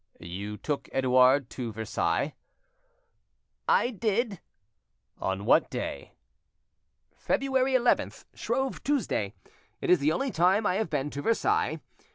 "You took Edouard to Versailles?" "I did." "On what day?" "February 11th, Shrove Tuesday. It is the only time I have been to Versailles.